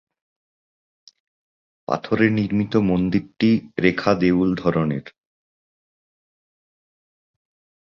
পাথরে নির্মিত মন্দিরটি রেখা দেউল ধরনের।